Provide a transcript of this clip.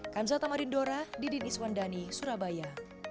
kamsa tamarindora didi niswandani surabaya